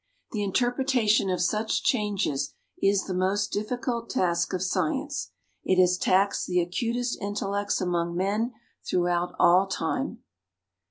The interpretation of such changes is the most difficult task of science; it has taxed the acutest intellects among men throughout all time.